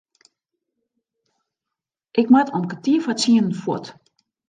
Ik moat om kertier foar tsienen fuort.